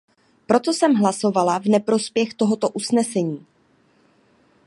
Proto jsem hlasovala v neprospěch tohoto usnesení.